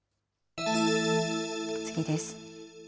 次です。